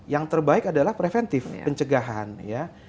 yang terbaik adalah preventif pencegahan ya